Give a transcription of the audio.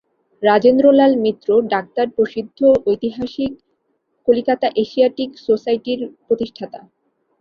Rajendralal Mitra, doctor প্রসিদ্ধ ঐতিহাসিক, Calcutta Asiatic সোসাইটির প্রতিষ্ঠাতা।